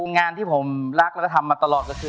งานที่ผมรักและทำมาตลอดก็คือ